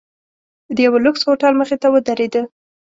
د یوه لوکس هوټل مخې ته ودریده.